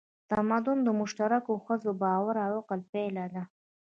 تمدن د مشترکو هڅو، باور او عقل پایله ده.